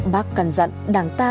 bác cân dặn đảng ta